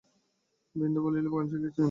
বিন্দু বলিল, গান শিখিয়েছেন।